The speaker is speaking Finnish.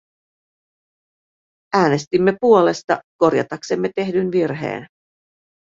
Äänestimme puolesta korjataksemme tehdyn virheen.